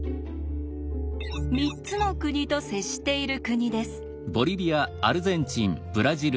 「三つの国と接している国」です。